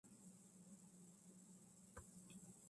どんな犬種が好きですか？